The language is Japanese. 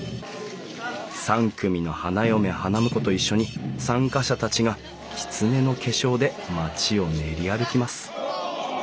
３組の花嫁花婿と一緒に参加者たちがきつねの化粧で町を練り歩きます。